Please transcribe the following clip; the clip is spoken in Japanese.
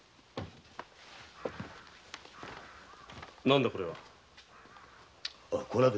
何だこれは？